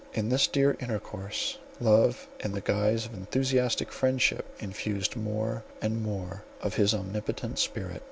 In this dear intercourse, love, in the guise of enthusiastic friendship, infused more and more of his omnipotent spirit.